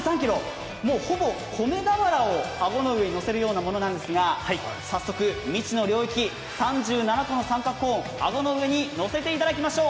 ほぼ米俵を顎の上に乗せるようなものなんですが早速、未知の領域、３７個の三角コーン顎の上にのせていただきましょう。